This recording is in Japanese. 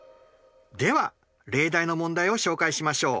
では例題の問題を紹介しましょう。